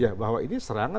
ya bahwa ini serangan